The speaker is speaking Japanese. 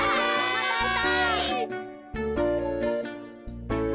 またあした。